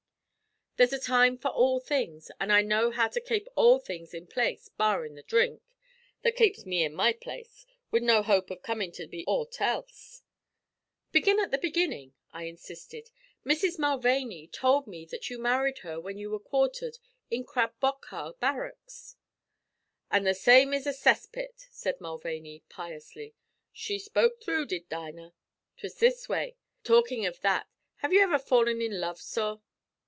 There's a time for all things, an' I know how to kape all things in place barrin' the dhrink, that kapes me in my place, wid no hope av comin' to be aught else." "Begin at the beginning," I insisted. "Mrs. Mulvaney told me that you married her when you were quartered in Krab Bokhar barracks." "An' the same is a cess pit," said Mulvaney, piously. "She spoke thrue, did Dinah. 'Twas this way. Talkin' av that, have ye iver fallen in love, sorr?"